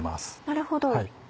なるほど。